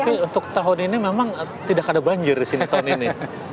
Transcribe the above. tapi untuk tahun ini memang tidak ada banjir di sini tahun ini